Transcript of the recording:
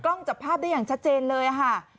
จับภาพได้อย่างชัดเจนเลยค่ะ